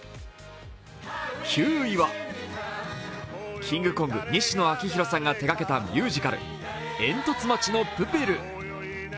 ９位は、キングコング・西野亮廣さんが手がけたミュージカル「えんとつ町のプペル」。